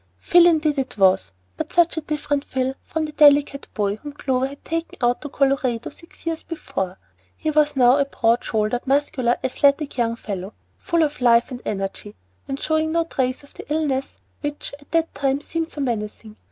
Phil indeed it was, but such a different Phil from the delicate boy whom Clover had taken out to Colorado six years before. He was now a broad shouldered, muscular, athletic young fellow, full of life and energy, and showing no trace of the illness which at that time seemed so menacing.